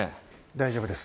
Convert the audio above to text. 大丈夫です。